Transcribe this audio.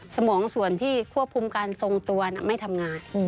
สมองส่วนที่ควบคุมการทรงตัวไม่ทำงาน